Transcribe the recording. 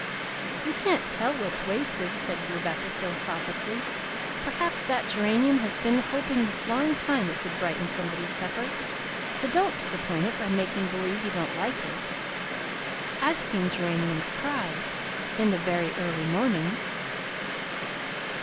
"You can't tell what's wasted," said Rebecca philosophically; "perhaps that geranium has been hoping this long time it could brighten somebody's supper, so don't disappoint it by making believe you don't like it. I've seen geraniums cry, in the very early morning!"